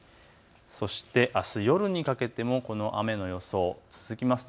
そして、あす夜にかけてもこの雨の予想、続きますね。